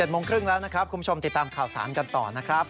โมงครึ่งแล้วนะครับคุณผู้ชมติดตามข่าวสารกันต่อนะครับ